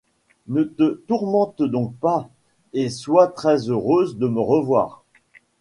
Ne te tourmente donc pas, et sois tout heureuse de me revoir.